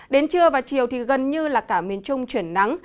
đến trưa và chiều thì gần như là cả miền trung chuyển nắng